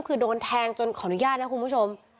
คือโดนแทงจนขออนุญาตนะคุณผู้ชม